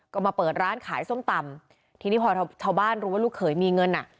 ก็มาเปิดร้านขายส้มตำทีนี้พอชาวบ้านรู้ว่าลูกเขยมีเงินอ่ะ